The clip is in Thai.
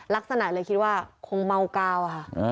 ลักษณะเลยคิดว่าคงเมากาวค่ะ